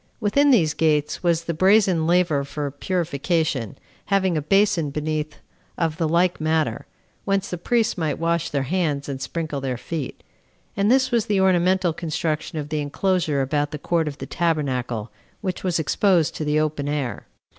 Within these gates was the brazen laver for purification, having a basin beneath of the like matter, whence the priests might wash their hands and sprinkle their feet; and this was the ornamental construction of the enclosure about the court of the tabernacle, which was exposed to the open air.